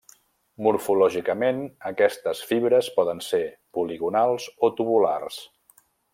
Morfològicament, aquestes fibres poden ser poligonals o tubulars.